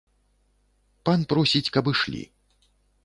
Пан просіць, каб ішлі.